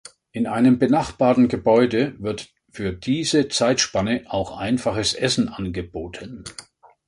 In einem benachbarten Gebäude wird für diese Zeitspanne auch einfaches Essen angeboten.